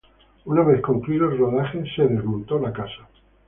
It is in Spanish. Una vez concluido el rodaje la casa fue desmontada.